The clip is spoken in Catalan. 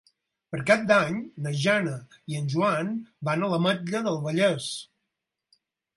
Per Cap d'Any na Jana i en Joan van a l'Ametlla del Vallès.